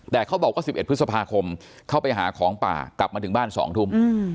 แต่เขาบอกว่า๑๑พฤษภาคมเข้าไปหาของป่ากลับมาถึงบ้าน๒ทุ่ม